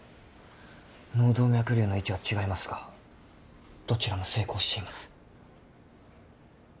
脳動脈瘤の位置は違いますがどちらも成功しています。